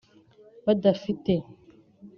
badafite”